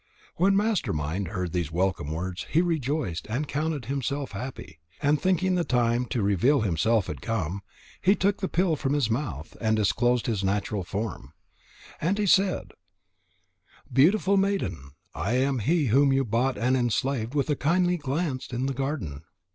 When Master mind heard these welcome words, he rejoiced and counted himself happy. And thinking the time to reveal himself had come, he took the pill from his mouth, and disclosed his natural form. And he said: "Beautiful maiden, I am he whom you bought and enslaved with a kindly glance in the garden.